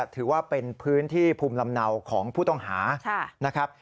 ถือว่าเป็นพื้นที่ภูมิลำเนาของผู้ต้องหานะครับ